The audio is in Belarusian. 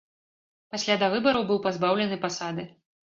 Пасля давыбараў быў пазбаўлены пасады.